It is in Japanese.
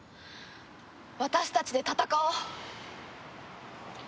私たちで戦おう！